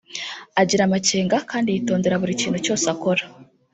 agira amakenga kandi yitondera buri kintu cyose akora